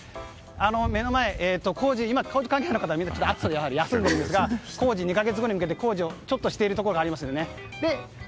目の前、工事関係の方々が暑さで休んでいるんですが２か月後に向けて工事をしているところがあります。